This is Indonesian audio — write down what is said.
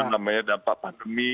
namanya dampak pandemi